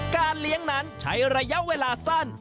การเลี้ยงนั้นใช้ระยะเวลาสั้น